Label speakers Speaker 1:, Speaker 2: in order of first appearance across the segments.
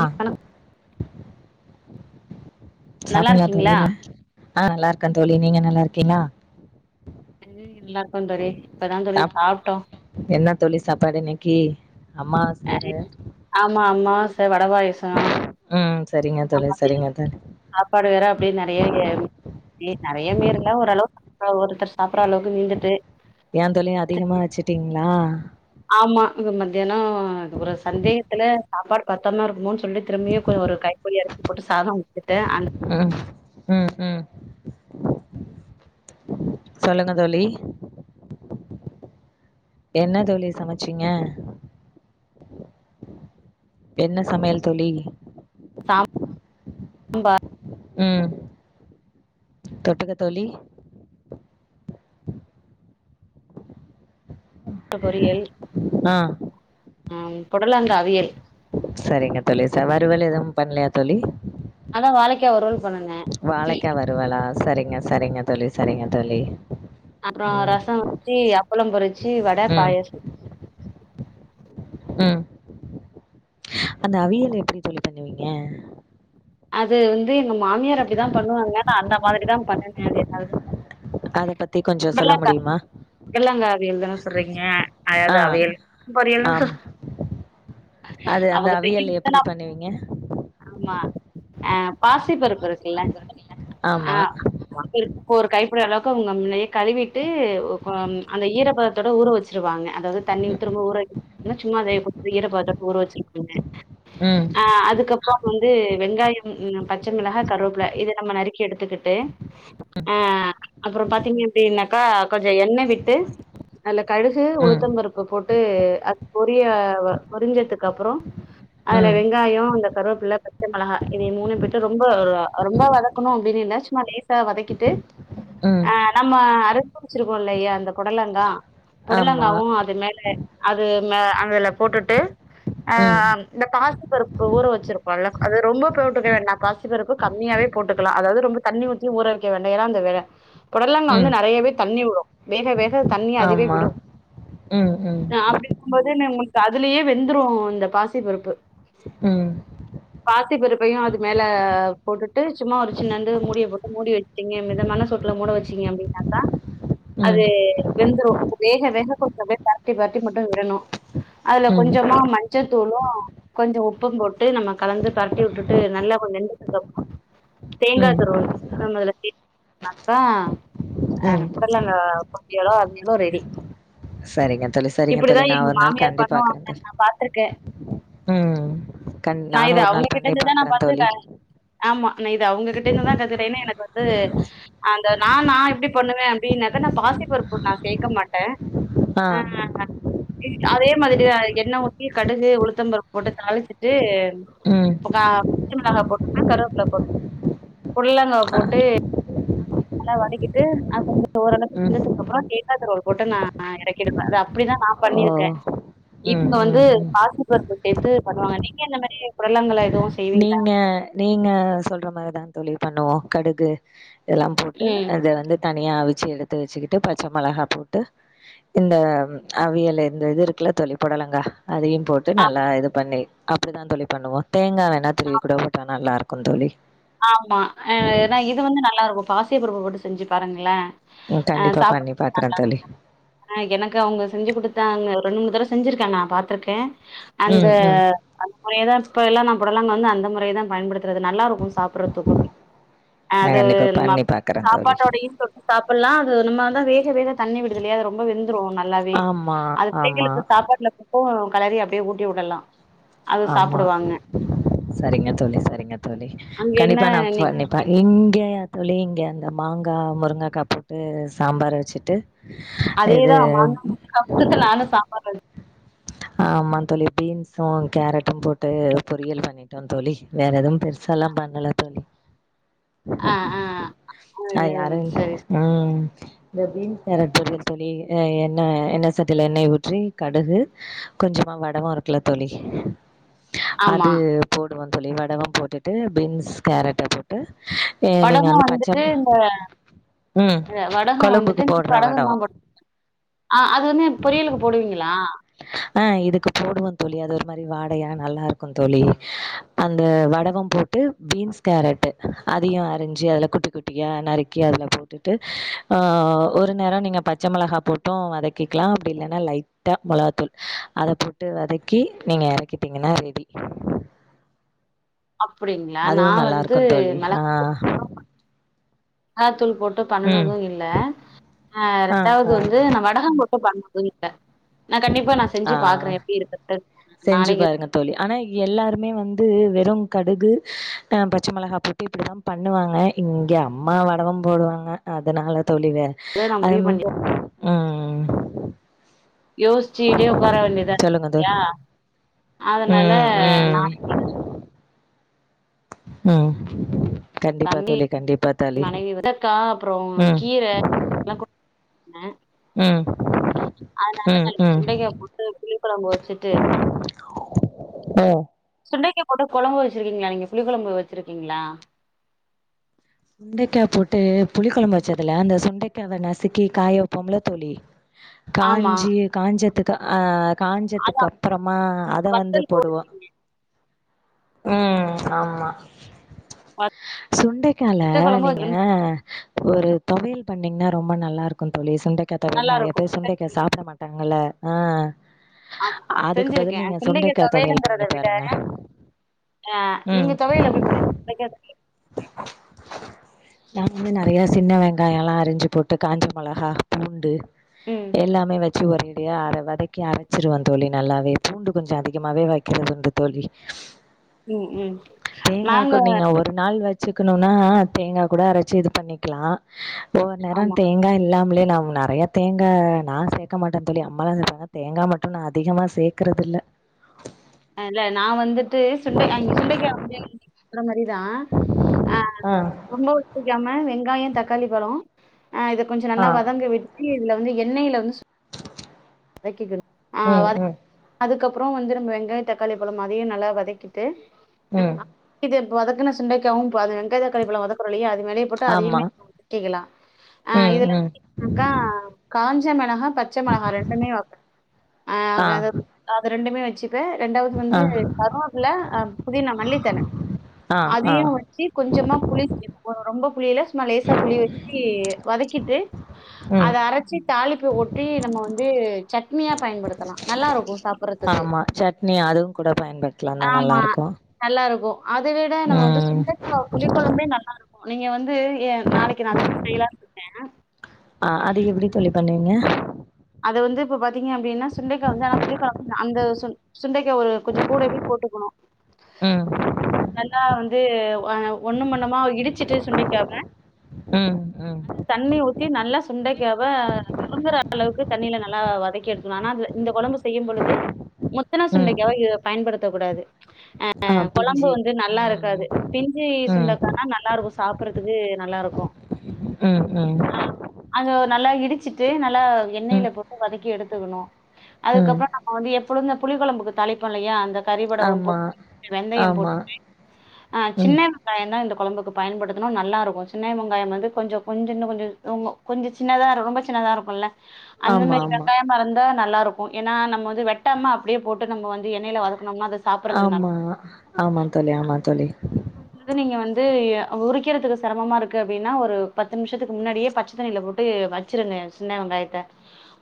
Speaker 1: ஆ
Speaker 2: வணக்கம். நல்லா இருக்கீங்களா.
Speaker 1: ஆஹ நல்லாருக்கே தோழி நீங்க நல்லா இருக்கீங்களா.
Speaker 2: ஹ நல்லா இருக்கோ தோழி. இப்பதா தோழி
Speaker 1: சாப்
Speaker 2: சாப்ட்டோ.
Speaker 1: என்ன தோழி சாப்பாடு இன்னைக்கி. அம்மா செயிற.
Speaker 2: அம்மாவாச வட பாயாசோ
Speaker 1: சரிங்க தோழி சரிங்க தோழி
Speaker 2: சாப்பாடு வேற அப்டிய நெறைய [unintelligible] நறைய மீர்ல ஓரளவுக்கு ஒருத்தர் சாப்புடற அளவுக்கு மீந்துட்டு.
Speaker 1: ஏந்தோழி அதிகமா வச்சுட்டீங்களா.
Speaker 2: ஆமா இது மத்தியானோ இது ஒரு சந்தேகத்துல சாப்பாடு பத்தமா இருக்கும்மோன்னு சொல்லிட்டு திரும்பியும் கொஞ்சோ ஒரு கை புடி அரிசி போட்டு சாதம். போட்டு அந்த.
Speaker 1: உம் உம். சொல்லுங்க தோழி. என்ன தோழி சமைச்சீங்க. என்ன சமையல் தோழி.
Speaker 2: உம்பா.
Speaker 1: உம் தொட்டுக்கத் தோழி. ஆஹ.
Speaker 2: ஆஹ பொடலங்கா அவியல்.
Speaker 1: சரிங்க தோழி சா வறுவல் எதுவும் பண்ணலையா தோழி.
Speaker 2: அதா வாழ க்காய் வறுவல் பண்ணுனே
Speaker 1: வாழைக்கா வறுவலா சரிங்க சரிங்க தோழி சரிங்க தோழி
Speaker 2: அப்புறோ
Speaker 1: ம்
Speaker 2: ரசோ வெச்சு அப்புளோ பொரிச்சு வடை
Speaker 1: ம்
Speaker 2: பாயசோ
Speaker 1: உம் அந்த அவியல எப்புடி தோழி பண்ணுவீங்க
Speaker 2: அது எங்க மாமியார் அப்புடிதா பண்ணுவாங்க அந்த மாதிரிதான் பண்ணுனே அது என்னாது
Speaker 1: அத பத்தி கொஞ்சோ சொல்ல
Speaker 2: பொடலங்கா
Speaker 1: முடியுமா?
Speaker 2: பொடலங்கா அவியல் தான சொல்றீங்க அது
Speaker 1: ஆ
Speaker 2: அவியல் பொரியல்னு சொ
Speaker 1: ஆமா. அது அந்த
Speaker 2: அவுங்க
Speaker 1: அவியல் எப்டி
Speaker 2: [unintelligible]
Speaker 1: பண்ணுவீங்க?
Speaker 2: ஆமா அஹ் பாசி பருப்பு இருக்குல்ல
Speaker 1: ஆமா.
Speaker 2: ஆஹ் இருக் ஒரு கைப்பிடி அளவுக்கு அவுங்க முன்னையே கழுவிட்டு ஒ அம் அந்த ஈரபதத்தோட ஊற வச்சுருவாங்க அதாவது தண்ணி ஊத்தி திரும்ப ஊற வைக் னு சும்மாவே குடுத்து ஈரபதத்தோட ஊற வச்சுரு வாங்க
Speaker 1: ம்.
Speaker 2: ஆஹ் அதுக்கப்புறம் வந் து வெங்காயம் ம் ப ச்ச மிளகா கருவேப்பில இத நம்ம நறுக்கி எடுத்துக்கிட்டு அஹ் அப்புறம் பாத்தீங்க அப்டின்னாக்கா கொஞ்ச எண்ண விட்டு அதுல கடுகு
Speaker 1: ம்.
Speaker 2: உளுத்த பருப்பு போட்டு அது பொரிய பொறிஞ்சதுக்கு அப்புறம் அதுல
Speaker 1: ம்.
Speaker 2: வெங்காயம் அந்த கருவாப்பில ப ச்ச மொளகா இதைய மூணயும் போட்டு ரொம்ப ரொம்ப வதக்கணும் அப்டின்னு இல்ல சும்மா லேஸ் சா வதக்கிட்டு
Speaker 1: ம்.
Speaker 2: நம்ம அர வச்சுருக்கோல்லையா அந்த பொடலங்கா
Speaker 1: ஆமா.
Speaker 2: பொடலங்காவும் அது மேல அது மே அதுல போட்டுட்டு
Speaker 1: ம்.
Speaker 2: இந்த பாசிபருப்பு ப ஊர வச்சுருப்போல்ல அது ரொம்ப போட்டுக்க வேண்டாம் பாசிப்பருப்பு கம்மியாவே போட்டுக்கலாம் அதாவது ரொம்ப தண்ணி ஊற வைக்க வேண்டா ஏன்னா அந்த வேல பொடலங்கா
Speaker 1: ம்.
Speaker 2: வந்து நெறையவே தண்ணி விடும் வேக வேக தண்ணி அதுவே
Speaker 1: ஆமா.
Speaker 2: விடும்
Speaker 1: ம். ம்.
Speaker 2: அப்டியிருக்கும் போது நா உங்களுக் கு அதுலேயே வெந்துரும் இந்த பாசி பருப்பு
Speaker 1: உம்
Speaker 2: பாசி பருப்பையும் அது மேல போட்டுட்டு சும்மா ஒரு சின்னாந்து மூடிய போட்டு மூடி வச்சட்டீங்க மிதமான சூட்ல மூட வச்சீங்க அப்டின்னாக்கா
Speaker 1: ம்.
Speaker 2: அது வெந்துரு வேக வேக கொஞ்ச அப்டியே பெரட்டி பெரட்டி மட்டும் விடணும் அதுல
Speaker 1: ம்.
Speaker 2: கொஞ்சமா ம ஞ்சத்தூளும் கொஞ்சம் உப்பும் போட்டு நம்ம கலந்து பெரட்டி வுட்டுட்டு நல்லா கொஞ்சுண்டு [unintelligible] தேங்கா
Speaker 1: ம்.
Speaker 2: துருவள் நாம அதுல சேத்துடோனாக்க அஹ்
Speaker 1: ம்.
Speaker 2: பொடலங்கா பொறியலோ அவியலோ ரெடி
Speaker 1: சரிங்க தோழி, சரிங்க தோழி.
Speaker 2: இப்டிதான்
Speaker 1: நான்
Speaker 2: எங்க
Speaker 1: ஒரு நாள்
Speaker 2: மாமியார்
Speaker 1: கண்டிப்பா பாக்குறேன்
Speaker 2: பண்ணுவாங்க
Speaker 1: தோழி.
Speaker 2: நான் பாத்திருக்கேன்
Speaker 1: ம். கண்
Speaker 2: நான்
Speaker 1: நானும்
Speaker 2: இத
Speaker 1: ஒரு
Speaker 2: அவுங்க
Speaker 1: நாள்
Speaker 2: கிட்ட
Speaker 1: பண்ணி
Speaker 2: இருந்துதான் நான்
Speaker 1: பாக்குறேன்
Speaker 2: பாத்து க
Speaker 1: தோழி.
Speaker 2: ஆமா நான் இத அவுங்ககிட்ட இருந்துதான் கத்துட்டே ஏன்னா எனக்கு வந்து அன் நா நா எப்டி பண்ணுவேன் அப்டின்னாக்க நா பாசிப் பருப்பு நா சேக்க மாட்டேன்
Speaker 1: [inaudible]
Speaker 2: ஆஹ் இ அதே மாதிரி தா எண்ண ஊத்தி கடுகு உளுத்தம்பருப்பு போட்டு தாளிச்சிட்டு
Speaker 1: ம்.
Speaker 2: [unintelligible] ச்ச மிளகா போட்டுக்கலாம் கருவேப்பில போட்டுக் புடலங்கா
Speaker 1: ஆ.
Speaker 2: போட்டு அத நல்லா வதக்கிட்டு அது வந்து ஓரளவுக்கு
Speaker 1: ம்.
Speaker 2: வெந்ததுக்கு அப்புறம் தேங்கா துருவல் போட்டு நான் இறக்கிடுவே அத அப்டிதா நா
Speaker 1: ஓ
Speaker 2: பண்ணிருக்கே
Speaker 1: ம்
Speaker 2: இவங்க வந்து
Speaker 1: ம் ம்
Speaker 2: பாசிப்பருப்பு சேத்து பண்ணுவாங்க நீங்க இந்த மாரி புடலங்கால எதுவும் செய்வீங்களா?
Speaker 1: நீங்க நீங்க சொல்ற மாரிதா தோழி பண்ணுவோ கடுகு இதலாம் போட்டு
Speaker 2: ம்.
Speaker 1: அத வந்து தனியா அவிச்சு எடுத்து வச்சுக்கிட்டு பச்சை மிளகா போட்டு இந்த அவியல் இந்த இது இருக்குல தோழி புடலங்கா அதையும் போட்டு
Speaker 2: ஆ
Speaker 1: நல்லா இது பண்ணி அப்டிதா தோழி பண்ணுவோம் தேங்காய் வேண குந் தோழி
Speaker 2: ஆமா. அ ஏன்னா இது வந்து நல்லாருக்கும். பாசிப்பருப்பு போட்டு செஞ்சு பாருங்களே
Speaker 1: ம்
Speaker 2: அ
Speaker 1: கண்டிப்பா
Speaker 2: சாப்ட [unintelligible]
Speaker 1: பண்ணி பாக்குறே
Speaker 2: மாட்டாங்க
Speaker 1: தோழி
Speaker 2: ஆ எனக்கு அவங்க செஞ்சு கொடுத்தாங்க ரெண்டு மூணு தடவ செஞ்சிருக்க நா பாத்ருக்கே அந்த
Speaker 1: ம் ம்
Speaker 2: முறையதா இப்ப எல்லா நா புடலாங்க வந்து அந்த முறைய தா பயன்டுத்துறது நல்லா சாப்பறதுக்கு
Speaker 1: நா
Speaker 2: அது
Speaker 1: கண்டிப்பா
Speaker 2: நம்ம
Speaker 1: பண்ணி
Speaker 2: அப்ப
Speaker 1: பாக்குறே தோழி
Speaker 2: சாப்பாட்டோடையும் தொட்டு சாப்புட்லா அது நம்ம அதா வேக வேக தண்ணி விடுதுல்லையா அது ரொம்ப வெந்துடும் நல்லாவே
Speaker 1: ஆமா
Speaker 2: அது
Speaker 1: ஆமா
Speaker 2: பிள்ளைகளுக்கு சாப்பாட்டுல போட்டு கெளறி அப்டியே ஊட்டி விடலாம்
Speaker 1: ஆமா சரிங்க தோழி சரிங்க தோழி
Speaker 2: அங்க என்ன
Speaker 1: கண்டிப்பா நா
Speaker 2: இன்னைக்கு
Speaker 1: பண்ணிப்பாக்
Speaker 2: சமையல்
Speaker 1: இங்கயா தோழி நீங்க அந்த மாங்கா முருங்கக்கா போட்டு சாம்பாரு வச்சுட்டு இது
Speaker 2: அதேதா மாங்கா முருங்கக்கா போட்டு நானு சாம்பார்ல
Speaker 1: ஆமா தோழி பீன்ஸ்சும் கேரட்டும் போட் ட்டு பொரியல் பண்ணி ட்டோம் தோழி வேற எதுவும் பெருசாலா பண்ணல தோழி
Speaker 2: ஆ ஆ
Speaker 1: அது
Speaker 2: [unintelligible]
Speaker 1: யாரும்
Speaker 2: சரி
Speaker 1: ம் இந்த பீன்ஸ் கேரட் பொரியல் தோழி எண்ண எண்ணெ சட்டில எண்ணெய் ஊற்றி கடுகு கொஞ்சமா வடவம் இருக்குல தோழி [inaudible]
Speaker 2: ஆமா
Speaker 1: அது போடு வந் புளிவடகம் போட்டுட்டு பீன்ஸ் கேரட்டை போட்டு எ நீங்க
Speaker 2: வடகம்
Speaker 1: வந்து
Speaker 2: வந்துட்டு
Speaker 1: பச்ச
Speaker 2: இந்த
Speaker 1: ம்
Speaker 2: வடகம் வந்துட்டு
Speaker 1: கொழம்புக்கு போடுற
Speaker 2: வடகம்
Speaker 1: வடம்
Speaker 2: தா ஆ அது வந்து பொரியலுக்கு போடுவீங்களா
Speaker 1: ஆ இதுக்கு போடுவு தோழி அது ஒரு ஒரு மாரி வாடையா நல்லாருக்கும் தோழி அந்த வடவம் போட்டு பீன்ஸ் கேரட்டு அதையு அரிஞ்சு அதில் குட்டி குட்டியாக நறுக்கி அதில்போட்டுட்டு அ ஒரு நேரம் நீங்கள் பச்ச மெளகா போட்டும் வதக்கிக்கலாம் அப்டி இல்லன்னா லைட்டா மொளகாத்தூள் அத போட்டு வதக்கி நீங்க இறக்கிட்டீங்கன்னா ரெடி
Speaker 2: அப்டிங்களா நா
Speaker 1: அதுவு
Speaker 2: வந்து
Speaker 1: நல்லாருக்கு தோழி
Speaker 2: மெள
Speaker 1: ஆ
Speaker 2: காதூள் போட்டு
Speaker 1: ம்
Speaker 2: பண்ணனதும் இல்ல அ
Speaker 1: ஆ
Speaker 2: ரெண்டாவது வந்து நம்ம வடகம் போட்டு பண்ண குனிப்ப நா கண்டிப்பா நா செஞ்சு
Speaker 1: ஆ ஆ
Speaker 2: பாக்குறே எப்டி இருக்குன்டு
Speaker 1: செஞ்சு
Speaker 2: நாளைக்கு
Speaker 1: பாருங்க தோழி ஆனா எல்லாருமே வந்து வெறு கடுகு அ பச்ச மெளகா போட்டு இப்டிதா பண்ணுவாங்க இங்கே அம்மா வடவம் போடுவாங்க அதனால தொளிவே
Speaker 2: வந்து நான் முடிவு
Speaker 1: அதும
Speaker 2: பண்ணி
Speaker 1: உம் [unintelligible]
Speaker 2: யோசிச்சுக்கிட்டே உக்கார வேண்டியதா
Speaker 1: தோழி
Speaker 2: இல்லயா அதனால
Speaker 1: ம் ம்
Speaker 2: நாளைக்கு [inaudible]
Speaker 1: உஹ்ம் கண்டிப்பா
Speaker 2: தம்பி
Speaker 1: தோழி கண்டிப்பா தோழி
Speaker 2: மனைவி வெண்டக்கா
Speaker 1: உம்
Speaker 2: ஆ
Speaker 1: ஆ
Speaker 2: அதனால நைட்டு சுண்டக்காய போட்டு புளி கொழம்பு வச்சுட்டு
Speaker 1: ஓ
Speaker 2: சுண்டைக்கா போட்டு கொழம்பு வச்சிருக்கீங்களா நீங்க புளி குழம்பு வச்சிருக்கீங்களா
Speaker 1: சுண்டைக்காய போட்டு புளி குழம்பு வச்சதுல அந்த சுண்டைக்காய நசுக்கி காய வைப்போம்ள தோழி
Speaker 2: ஆமா.
Speaker 1: காஞ்சி காஞ்சத்துக் கு ஆஹ் காஞ்சத்துக்கு அப்புறமா அத வந்து
Speaker 2: வத்தல் போட்டு
Speaker 1: போடுவோ உம் ஆமா சுண்டை கால
Speaker 2: வத்த குழம்பு
Speaker 1: நீங்க ஒரு தொவையல் பண்ணீங்கன்னா ரொம்ப நல்லா இருக்கு தோழி சுண்டக் கதவையல்
Speaker 2: நல்லா
Speaker 1: நேறைய பேர்
Speaker 2: இருக்கும்.
Speaker 1: சுண்டைக்க சாப்பிட மாட்டாங்கள்ல ஆஹ்
Speaker 2: ஆமா செஞ்சிருக்கே சுண்டைக்க
Speaker 1: தொவையல்
Speaker 2: தொவயலுங்கறத
Speaker 1: பண்ணி
Speaker 2: விட
Speaker 1: பாருங்க.
Speaker 2: ஆஹ்
Speaker 1: ம்.
Speaker 2: நீங்க தொவையல் எப்டி பண்ணுவீங்க அத கேட்ட [inaudible]
Speaker 1: நா வந்து நெறைய சின்ன வெங்காயொல்லா அரிஞ்சு போட்டு காஞ்ச மொளகா பூண்டு
Speaker 2: ம்
Speaker 1: எல்லாமே வ சு ஓரேடியா அர வதக்கி அரச்சிருவ தோழி நல்லாவே பூண்டு கொஞ்ச அதிகமாகவே வைக்கிறதுண்டு தோழி
Speaker 2: உம் உம் நாங்க
Speaker 1: சிக்கனுன்னா தேங்கா கூட அரச்சு இது பண்ணிக்கலா ஒவ்வொ நேரொ
Speaker 2: ஆமா
Speaker 1: தேங்கா இல்லாமலே நாம் நறைய தேங்கா நா சேக்க மாட்டே தோழி அம்மா தா சேப்பாங்க தேங்கா மட்டு நா அதிகமா சேக்கறதுல்ல
Speaker 2: அ இல்ல நா வந்து ட்டு சுண்டை அங்க சுண்டைக்க வந்து [inaudible] தா ஆஹ்
Speaker 1: ஆ
Speaker 2: ரொம்பொ ஒச்சுக்காம வெங்காயொ தக்காளி பொடுவோ ஆஹ் இத கொஞ்சொ நல்லா
Speaker 1: ஆ
Speaker 2: வதங்க விட்டு இல்ல வந்து எண்ணயில வந்து வதக்கிக்கணு ஆஹ்
Speaker 1: ம்
Speaker 2: வத
Speaker 1: ம்
Speaker 2: [inaudible] அது கப்புறோ வந்து நம்ப வெங்ய தக்காளி பழோ அதையும் நல்லா வதக்கிட்டு உம்
Speaker 1: ம்
Speaker 2: ஹா [unintelligible] வதக்கு சுண்டைக்கவு வத வெங்காய தக்காளிபழோ வதக்கற இல்லையா வெளிய போட்டு அதையுமே
Speaker 1: ஆமாம்
Speaker 2: வதக்கிக்கலா அ
Speaker 1: ம்
Speaker 2: இதுல [inaudible]
Speaker 1: ம்
Speaker 2: வந்து காஞ்சி பச்ச மொளகா பச்ச மொளகா ரெண்டுமே வ ஆ [unintelligible] அது ரெண்டுமே ச்சுப ரெண்டாவது வந்து
Speaker 1: ஆ
Speaker 2: கருவேப்பில அ புதினா மல்லித்தழ
Speaker 1: ஆ ஆ
Speaker 2: அதையு வெச்சு கொஞ்சமா புளி செய்ணும் ரொம்ப புளில சுமா லேசா புளி வெச்சு வதக்கி கிட்டு
Speaker 1: ம்
Speaker 2: அத அரச்சி தாலிப்ப ஒட்டி நம்ம வந்து சட்னியா பயன்படுத்தலா நல்லாருக்கு சாப்புறதுக்கு
Speaker 1: நீ அதுவும் கூட பயன்படுத்லாம்ந்தான நல்லாருக்கு
Speaker 2: அதுவு‌தா நம்ம வந்து
Speaker 1: ம்
Speaker 2: சுண்டக்கா புளிக்கொழம்பே நல்லாருக்கு நீங்க வந்து ஏ நாளைக்கி நா அதுதா செயலான்றுக்கே
Speaker 1: ஆ அது எப்டி தோழி பண்ணுவீங்க
Speaker 2: அத வந்து இப்ப பாத்தீங்க அப்டின்னா சுண்டைக்காய வந்து ஆனா புளி கொழம்புதா அந்த சுண் சுண்டைக்கா ஒரு கொஞ்சோ கூடவே போட்டுக்கணு
Speaker 1: ம்
Speaker 2: நல்லா து அ ஒண்ணு பெண்ணுமா இடிச்சுட்டு சுண்டைக்காவ
Speaker 1: ம் ம்
Speaker 2: அது தண்ணி ஊற்றி நல்லா சுண்டைக்காவ சுருங்கற தண்ணியில நல்லா வதக்கி எடுத்துக்குனு ஆனா இந்த கொழம்பு செய்யும் பொழுது முத்தனா
Speaker 1: ம்
Speaker 2: சுண்டைக்காவ எ பயன்படுத்த இருக்கக்கூடாது அ
Speaker 1: ஆ
Speaker 2: கொழம்பு
Speaker 1: பிஞ்சி
Speaker 2: வந்து நல்லா
Speaker 1: ம்
Speaker 2: இருக்காது பிஞ்சி
Speaker 1: ம்
Speaker 2: சுண்டாக்கானா நல்லாருக்கு. சாப்டறதுக்கு நல்லாருக்கு
Speaker 1: ம் ம்
Speaker 2: அ அது நல்லா இரு இடிச்சிட்டு நல்லா எண்ணெயில
Speaker 1: ம்
Speaker 2: போட்டு வதக்கி எடுத்துக்கணு
Speaker 1: ம்
Speaker 2: அதுக்கப்புறோ நம்ம வந்து எ உளுந்த புளி குழம்புக்கு தாளிப்பம் இல்லையா அந்த கறிவடகம்
Speaker 1: ஆமா
Speaker 2: போட்டு வெந்தயம்
Speaker 1: ஆமா
Speaker 2: போட்டு ஹ
Speaker 1: ம்
Speaker 2: சின்ன வெங்காயம தான் இந்த குழம்புக்கு பயன்படுத்தணும் நல்லா ஹருக்கும் சின்னனை வெங்காயம் வந்து பயன்படுத்தினா நல்லாருக்கும் சின்ன வெங்காயம் வந்து கொஞ்சம் கொஞ்சம் இன்னும் கொஞ்சம் கொஞ்சம் சின்னதா ரொம்ப சின்னதா இருக்கும்ல அந்த
Speaker 1: ஆமா
Speaker 2: மாதிரி
Speaker 1: ஆமா
Speaker 2: வெங்காயம் மறந்த நல்லா இருக்கும் ஏன்னா நம்ம வந்து வெட்டாம அப்படியே போட்டு நம்ம வந்து எண்ணெய்ல வதக்க
Speaker 1: ஆமா ஆமா தோழி ஆமா தோழி
Speaker 2: ட்டு நீங்க வந்து உறிக்கிறதுக்கு சிரமமா இருக்கு அப்படின்னா ஒரு பத்து நிமிஷத்துக்கு முன்னாடியே பச்சை தண்ணில போட்டு வச்சிருங்க சின்ன வெங்காயத்த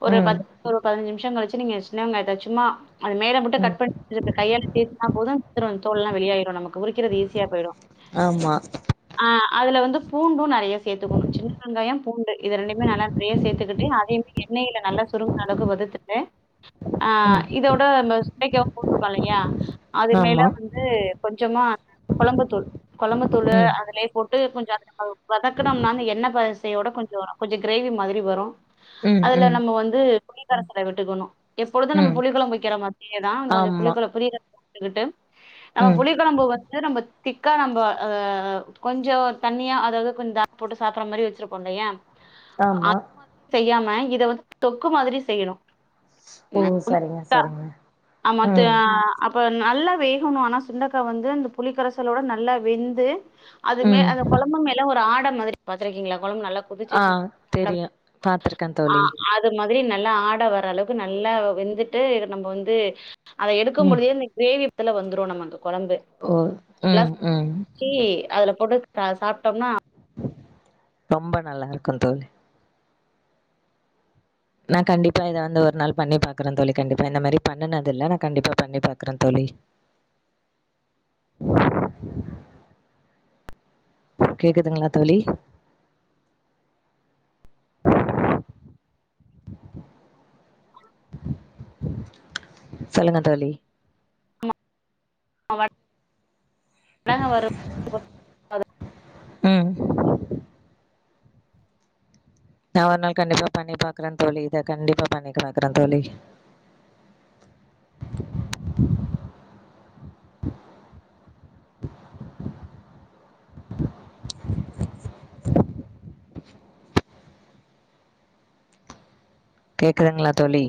Speaker 2: ஒரு
Speaker 1: ம்
Speaker 2: பத் ஒரு பதினஞ்சு நிமிஷ பத்து நிமிஷம் கழிச்சு நீங்க சின்ன வெங்காயத்த சும்மா அது மேல மட்டும்
Speaker 1: ம்
Speaker 2: கட் பண் இப்படி கையால தேச்சினா போதும் வந்துரும் தோல் எல்லா வெளியாயிரும் நமக்கு உரிகிறது ஈசி ஈசியா போயிடும்
Speaker 1: ஆமா
Speaker 2: ஆஹ அதுல வந்து பூண்டும் நிறைய சேர்த்துக்கணும் சின்ன வெங்காயம் பூண்டு இது ரெண்டுமே நல்லா நிறைய சேர்த்துக்கிட்டு அதேயுமே எண்ணெயில நல்ல சுருங்கன அளவுக்கு வறுத்துட்டு ஆ
Speaker 1: ம்
Speaker 2: இதோட ந இன்னிக்கும் அவன் கூட்டு போகலையா அது மேல
Speaker 1: ஆமா
Speaker 2: வந்து கொஞ்சமா கொழம்புத்தூள் கொழம்புத்தூள்
Speaker 1: ம்
Speaker 2: அதுலயே போட் வந்து கொஞ்சம் வதக்கணும்னா எண்ணய் பசையோட கொஞ்சம் கொஞ்சம் கிரேவி மாதிரி வரும்
Speaker 1: ம்
Speaker 2: அதுல
Speaker 1: ம்
Speaker 2: நம்ம வந்து புளிக்கரசல விட்டுக்கணும் எப்பொழுதும் நம்ம
Speaker 1: ம்
Speaker 2: புளி குழம்பு வைக்கிற மாதிரி எதா கொஞ்சம்
Speaker 1: ஆமா
Speaker 2: புளிகொழ புளியகரச்சுகிட்டு நம்ம
Speaker 1: ம்
Speaker 2: புளிக்கொழம்பு வந்து நம்ம திக்கா நம்ம அ கொஞ்சம் தண்ணியா அதாவது கொஞ்சம் தா போட்டு சாப்பிடுற மாதிரி வச்சிருக்கோம்ல்லையா
Speaker 1: ஆமா
Speaker 2: அது செய்யாம இத வந்து தொக்கு மாதிரி செய்யணும்
Speaker 1: ஓ சரிங்க சரிங்க
Speaker 2: ஆ மத்த
Speaker 1: ம்
Speaker 2: அப்ப நல்ல வேகணும் ஆனா சுண்டக்கா வந்து அந்த புலிக்கரச் நல்லா வெந்து அது மேல அந்த
Speaker 1: ம்
Speaker 2: குழம்பு மேல ஒரு ஆடை மாதிரி பாத்திருக்கீங்களா குழம்பு நல்லா
Speaker 1: ஆ
Speaker 2: கொதிச்சிச்சு ஆட
Speaker 1: தெரியும் பாத்துருக்கேன்
Speaker 2: ஆ
Speaker 1: தோழி
Speaker 2: அது மாதிரி நல்லா ஆடை வர அளவுக்கு நல்லா வெந்துட்டு நம்ம வந்து அதை
Speaker 1: ம்
Speaker 2: எடுக்கும்முடியுன்த கிரேவி இதுல வந்துரு நம்ம அங்கு
Speaker 1: [unintelligible]
Speaker 2: நல்லா சாதம்
Speaker 1: ம்
Speaker 2: வடிச்சு [unintelligible] அது அத போட் டு சாப்பிட்டோம்னா
Speaker 1: ரொம்ப நல்லா இருக்கும் தோழி நா கண்டிப்பா இத வந்து ஒரு நாள் பண்ணி பாக்குற தோழி கண்டிப்பா இந்த மாரி பண்ணுனது இல்ல நா கண்டிப்பா பண்ணி பாக்குற தோழி கேக்குதுங்களா தோழி சொல்லுங்க தோழி
Speaker 2: [unintelligible] படங்க வரும்
Speaker 1: உம் நா ஒரு நாள் கண்டிப்பா பண்ணி பாக்குற தோழி இத கண்டிப்பா பண்ணி பாக்குற தோழி கேக்குதுங்களா தோழி